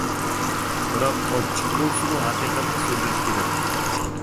بىراق ئاچچىق بولسىمۇ ھەقىقەتنى سۆزلەش كېرەك.